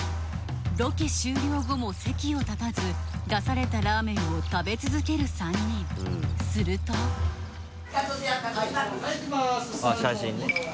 ロケ終了後も席を立たず出されたラーメンを食べ続ける３人すると・はいいきます！